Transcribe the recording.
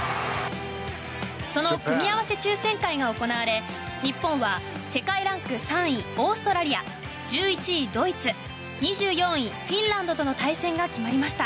その組み合わせ抽選会が行われ日本は世界ランク３位オーストラリア１１位ドイツ２４位フィンランドとの対戦が決まりました。